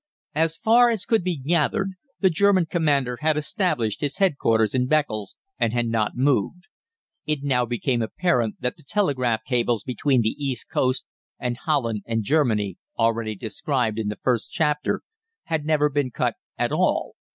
As far as could be gathered, the German commander had established his headquarters in Beccles, and had not moved. It now became apparent that the telegraph cables between the East coast and Holland and Germany, already described in the first chapter, had never been cut at all.